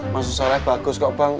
maksud saya bagus kok bang